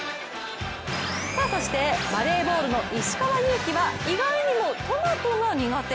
そして、バレーボールの石川祐希は意外にもトマトが苦手。